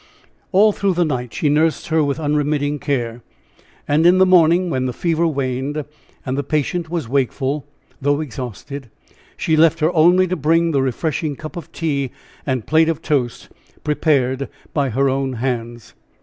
All through the night she nursed her with unremitting care. And in the morning, when the fever waned, and the patient was wakeful, though exhausted, she left her only to bring the refreshing cup of tea and plate of toast prepared by her own hands.